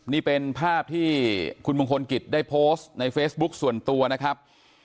นี่เป็นภาพที่คุณมงคลกิจได้โพสต์ในเฟซบุ๊คส่วนตัวนะครับ